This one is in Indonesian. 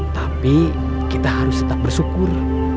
tapi kita harus tetap bersyukur